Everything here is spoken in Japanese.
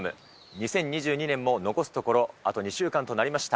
２０２２年も残すところあと２週間となりました。